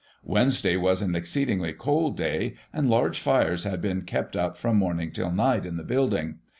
Wednesday was an exceedingly cold day, and large fires had been kept up from morning till night in the building.